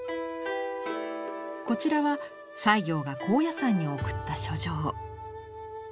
こちらは西行が高野山に送った書状。